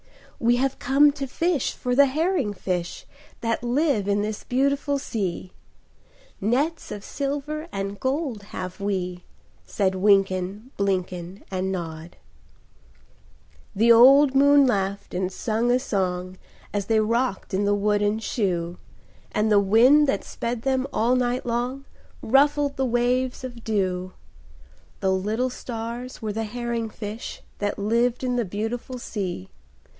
"We have come to fish for the herring fish That live in this beautiful sea; Nets of silver and gold have we," Said Wynken, Blynken, And Nod. The old moon laughed and sang a song, As they rocked in the wooden shoe; And the wind that sped them all night long Ruffled the waves of dew; The little stars were the herring fish That lived in the beautiful sea.